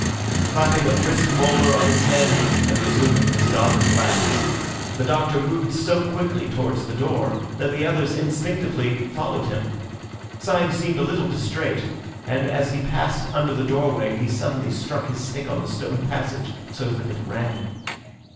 Clapping a brisk bowler on his head and resuming his goblin glasses, the Doctor moved so quickly towards the door, that the others instinctively followed him. Syme seemed a little distrait, and as he passed under the doorway he suddenly struck his stick on the stone passage so that it rang.